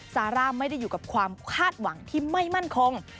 ซาร่าไม่ได้อยู่กับความคาดหวังที่ไม่มั่นคง